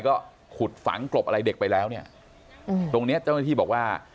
ก็ขุดฝังกลบอะไรเด็กไปแล้วเนี่ยตรงเนี้ยเจ้าหน้าที่บอกว่า